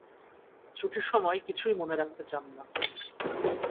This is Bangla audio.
ছুটির সময় কিছুই মনে রাখতে চান না।